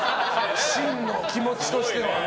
真の気持ちとしては。